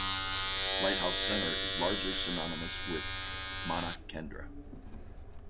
Lighthouse Center is largely synonymous with "Manav Kendra".